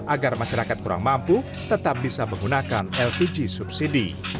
agar masyarakat kurang mampu tetap bisa menggunakan lpg subsidi